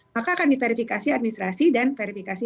maka akan diverifikasi administrasi dan verifikasi